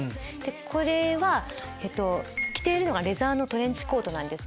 これは着ているのがレザーのトレンチコートなんです。